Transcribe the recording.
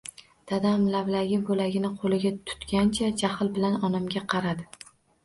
Dadam lavlagi bo‘lagini qo‘lida tutgancha jahl bilan onamga qaradi.